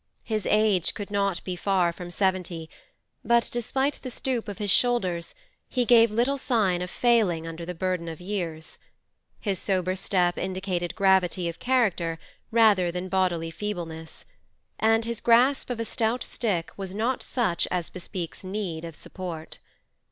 His age could not be far from seventy, but, despite the stoop of his shoulders, he gave little sign of failing under the burden of years; his sober step indicated gravity of character rather than bodily feebleness, and his grasp of a stout stick was not such as bespeaks need of support.